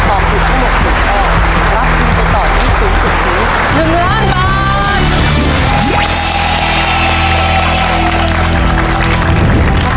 รับหนึ่งแสนบาท